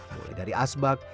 mulai dari asbak